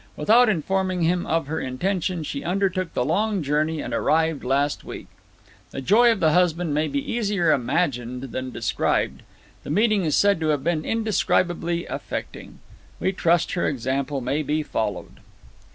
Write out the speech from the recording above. Without informing him of her intention, she undertook the long journey, and arrived last week. The joy of the husband may be easier imagined than described. The meeting is said to have been indescribably affecting. We trust her example may be followed."